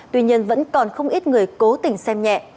tuy nhiên vẫn còn không ít người cố tình xem nhẹ